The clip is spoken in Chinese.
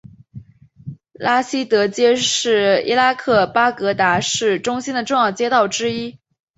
拉希德街是伊拉克巴格达市中心的重要街道之一。